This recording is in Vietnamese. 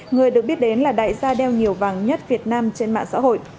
người được biết đến là đại gia đeo nhiều vàng nhất việt nam trên mạng xã hội